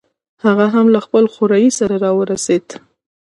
هغه هم له خپل خوریي سره راورسېد.